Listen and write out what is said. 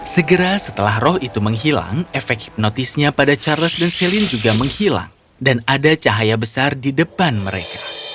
segera setelah roh itu menghilang efek hipnotisnya pada charles dan celine juga menghilang dan ada cahaya besar di depan mereka